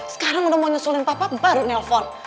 sekarang udah mau nyeselin papa baru nelpon